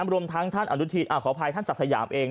รวมทั้งท่านอนุทินขออภัยท่านศักดิ์สยามเอง